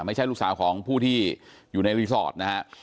ไม่ใช่ลูกสาวของผู้ที่อยู่ในรีสอร์ทนะฮะ